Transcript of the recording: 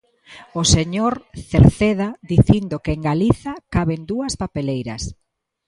O señor Cerceda dicindo que en Galiza caben dúas papeleiras.